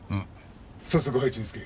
早速配置につけ。